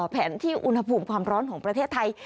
แผนที่อุณหภูมิความร้อนของประเทศไทย